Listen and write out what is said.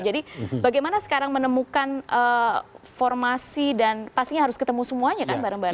jadi bagaimana sekarang menemukan formasi dan pastinya harus ketemu semuanya kan bareng bareng